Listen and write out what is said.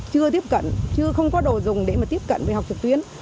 chưa tiếp cận chứ không có đồ dùng để mà tiếp cận với học trực tuyến